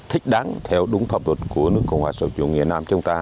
thích đáng theo đúng pháp luật của nước cộng hòa sở chủng việt nam chúng ta